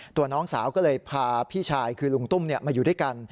น้องสาวก็เลยพาพี่ชายคือลุงตุ้มมาอยู่ด้วยกัน